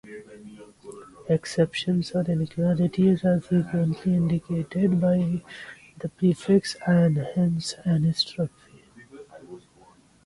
Exceptions, or inequalities, are frequently indicated by the prefix "an", hence "anisotropy".